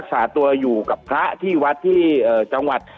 คุณติเล่าเรื่องนี้ให้ฮะ